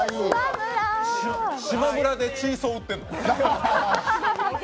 しまむらでチーソー売ってんの？